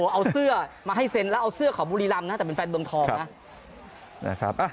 เอาเสื้อมาให้เซ็นแล้วเอาเสื้อขอบูริลำนะแต่เป็นแฟนบลงทองนะ